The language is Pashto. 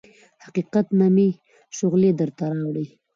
حقیقت نه مې شغلې درته راوړي